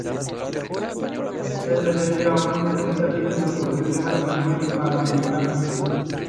Se le deben unos sesenta títulos sobre tema español e hispanoamericano.